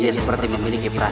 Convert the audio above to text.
asep kamu kenapa